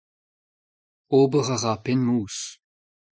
Ober a ra penn mouzh.